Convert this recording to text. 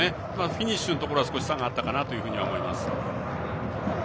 フィニッシュのところ差があったかなと思います。